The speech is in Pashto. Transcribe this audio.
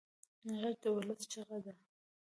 غږ د ولس چیغه ده